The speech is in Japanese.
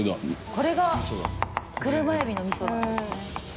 これが車海老の味噌なんですね。